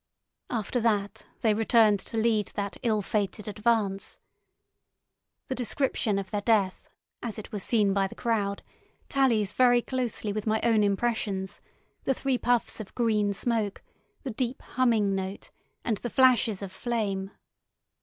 After that they returned to lead that ill fated advance. The description of their death, as it was seen by the crowd, tallies very closely with my own impressions: the three puffs of green smoke, the deep humming note, and the flashes of flame.